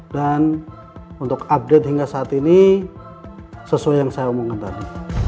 dan untuk update hingga saat ini sesuai yang saya omongkan tadi